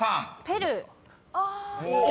「ペルー」